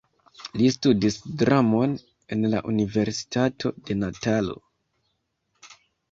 Li studis dramon en la Universitato de Natalo.